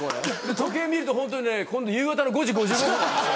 時計見るとホントにね今度夕方の５時５５分なんですよ。